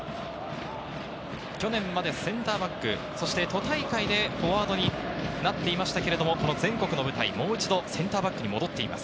去年までセンターバック、そして都大会でフォワードになっていましたけれども、全国の舞台、もう一度センターバックに戻っています。